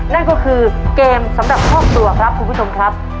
นั่นก็คือเกมสำหรับครอบครัวครับคุณผู้ชมครับ